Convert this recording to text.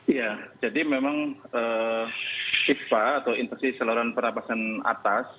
iya jadi memang ispa atau intensi seloran pernafasan atas